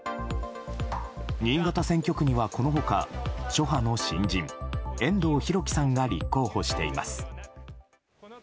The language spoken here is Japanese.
新潟選挙区にはこの他諸派の新人、遠藤弘樹さんが立候補しています。